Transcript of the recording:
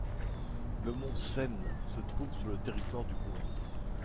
Le mont Sen se trouve sur le territoire du bourg.